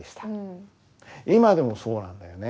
今でもそうなんだよね。